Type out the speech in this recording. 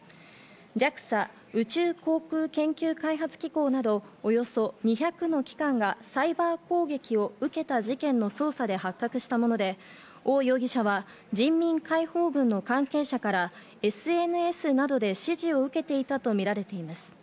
ＪＡＸＡ＝宇宙航空研究開発機構などおよそ２００の機関がサイバー攻撃を受けた事件の捜査で発覚したもので、オウ容疑者は人民解放軍の関係者からＳＮＳなどで指示を受けていたとみられています。